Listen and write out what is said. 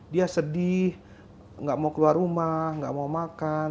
dia sedih nggak mau keluar rumah nggak mau makan